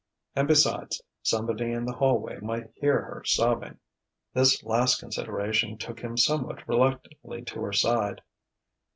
And, besides, somebody in the hallway might hear her sobbing.... This last consideration took him somewhat reluctantly to her side.